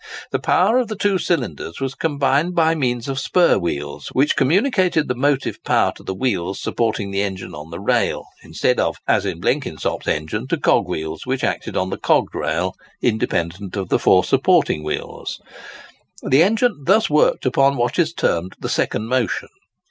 The power of the two cylinders was combined by means of spurwheels, which communicated the motive power to the wheels supporting the engine on the rail, instead of, as in Blenkinsop's engine, to cogwheels which acted on the cogged rail independent of the four supporting wheels. The engine thus worked upon what is termed the second motion.